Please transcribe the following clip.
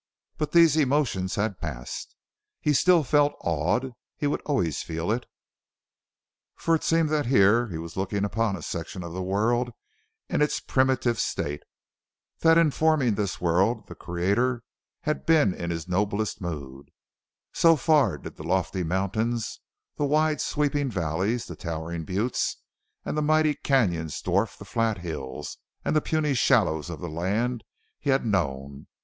But these emotions had passed. He still felt awed he would always feel it, for it seemed that here he was looking upon a section of the world in its primitive state; that in forming this world the creator had been in his noblest mood so far did the lofty mountains, the wide, sweeping valleys, the towering buttes, and the mighty canyons dwarf the flat hills and the puny shallows of the land he had known.